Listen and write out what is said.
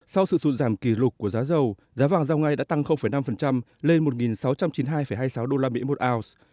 sau sự sụt giảm kỷ lục của giá dầu giá vàng giao ngay đã tăng năm lên một sáu trăm chín mươi hai hai mươi sáu usd một ounce